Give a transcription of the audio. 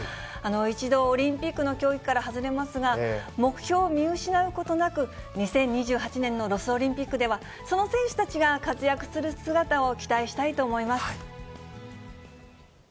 一度オリンピックの競技から外れますが、目標を見失うことなく、２０２８年のロスオリンピックでは、その選手たちが活躍する姿を期待したいと思います。